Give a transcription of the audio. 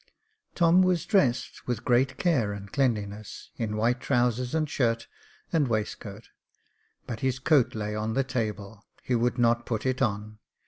Tom was dressed with great care and cleanliness — in white trousers and shirt and waistcoat, but his coat lay on the table ; he would not put it on.